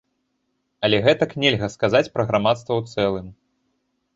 Але гэтак нельга сказаць пра грамадства ў цэлым.